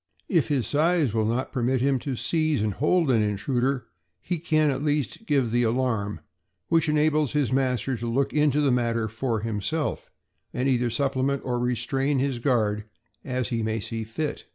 If his size will not permit him to seize and hold an intruder, he can at least give the alarm, which enables his master to look into the matter for himself, and either supplement or restrain his guard, as he may see fit.